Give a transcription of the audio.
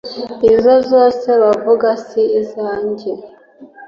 Izo zose bavuga si izanjye